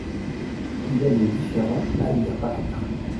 Il est le différent à y apparaître.